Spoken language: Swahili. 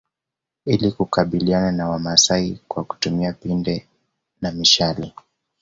Ili kukabiliana na wamasai kwa kutumia pinde na mishale